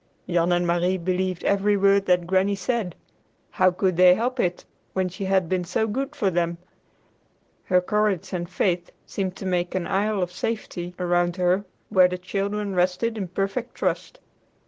Jan and Marie believed every word that Granny said. How could they help it when she had been so good to them! Her courage and faith seemed to make an isle of safety about her where the children rested in perfect trust.